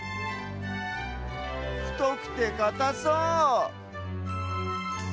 ふとくてかたそう！